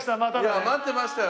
いや待ってましたよ。